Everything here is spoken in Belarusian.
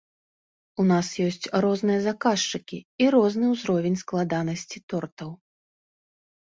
У нас ёсць розныя заказчыкі і розны ўзровень складанасці тортаў.